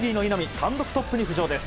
単独トップに浮上です。